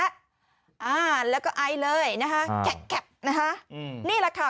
อ่าแล้วก็ไอเลยนะฮะ